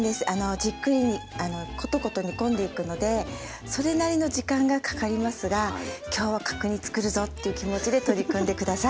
じっくりコトコト煮込んでいくのでそれなりの時間がかかりますが今日は角煮作るぞっていう気持ちで取り組んで下さい。